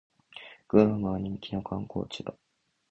グアムは人気の観光地だ